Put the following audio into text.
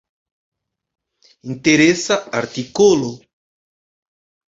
Interesa artikolo.